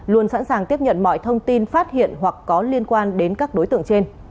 luôn sẵn sàng tiếp nhận mọi thông tin phát hiện hoặc có liên quan đến các đối tượng trên